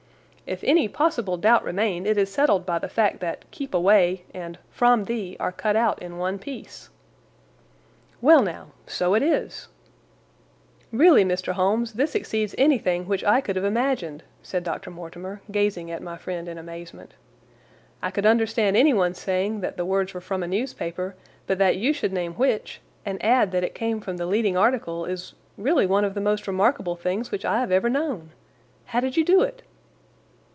"If any possible doubt remained it is settled by the fact that 'keep away' and 'from the' are cut out in one piece." "Well, now—so it is!" "Really, Mr. Holmes, this exceeds anything which I could have imagined," said Dr. Mortimer, gazing at my friend in amazement. "I could understand anyone saying that the words were from a newspaper; but that you should name which, and add that it came from the leading article, is really one of the most remarkable things which I have ever known. How did you do it?"